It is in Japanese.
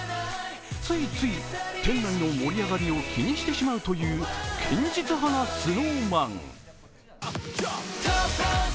ついつい店内の盛り上がりを気にしてしまうという堅実派なＳｎｏｗＭａｎ。